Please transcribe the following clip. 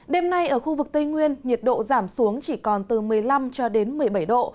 đêm nay ở khu vực tây nguyên nhiệt độ giảm xuống chỉ còn từ một mươi năm cho đến một mươi bảy độ